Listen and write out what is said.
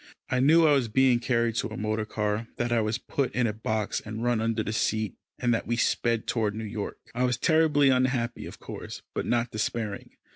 I knew I was being carried to a motor car, that I was put in a box and run under the seat, and that we sped toward New York. I was terribly unhappy, of course, but not despairing.